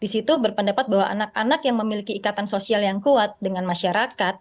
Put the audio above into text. di situ berpendapat bahwa anak anak yang memiliki ikatan sosial yang kuat dengan masyarakat